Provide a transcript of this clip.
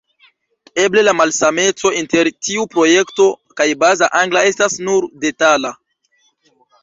Eble la malsameco inter tiu projekto kaj Baza Angla estas nur detala.